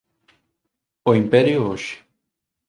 O imperio hoxe